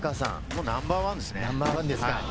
ナンバーワンですね。